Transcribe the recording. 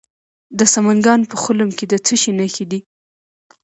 د سمنګان په خلم کې د څه شي نښې دي؟